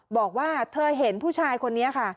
บอกว่าเธอเห็นผู้ชายคนนี้ค่ะ